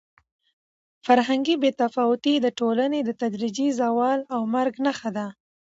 فرهنګي بې تفاوتي د ټولنې د تدریجي زوال او مرګ نښه ده.